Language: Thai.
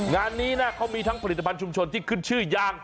งานนี้นะเขามีทั้งผลิตภัณฑุมชนที่ขึ้นชื่อยาง